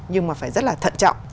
nhưng mà phải rất là thận trọng